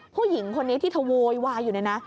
ผู้หญิงคนนี้ที่เธอโวยวายอยู่เนี่ยนะ